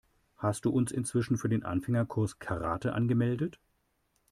Hast du uns inzwischen für den Anfängerkurs Karate angemeldet?